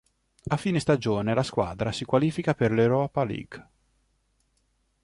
A fine stagione la squadra si qualifica per l'Europa League.